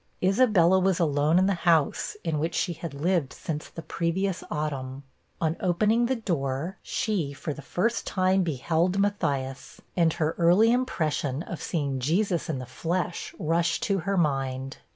Isabella was alone in the house, in which she had lived since the previous autumn. On opening the door, she, for the first time, beheld Matthias, and her early impression of seeing Jesus in the flesh rushed to her mind.